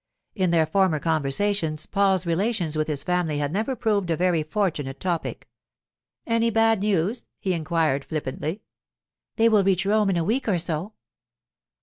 In their former conversations Paul's relations with his family had never proved a very fortunate topic. 'Any bad news?' he inquired flippantly. 'They will reach Rome in a week or so.